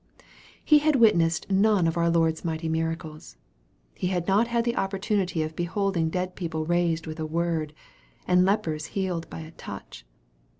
He had witnessed none of our Lord's mighty mira'cles. He had not had the opportunity of beholding dead people raised with a word, and lepers healed by a t^uch.